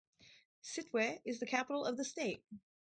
Sittwe is the capital of the state.